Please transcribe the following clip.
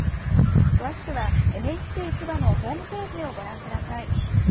詳しくはＮＨＫ千葉のホームページをご覧ください。